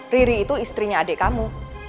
riri itu istrinya adik kamu